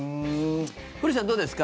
古市さん、どうですか？